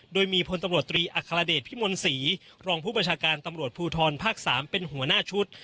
โดยมีพตอภีมนศรีรองพบภูทรพศภ๓เป็นหัวหน้าชุด